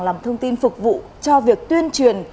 làm thông tin phục vụ cho việc tuyên truyền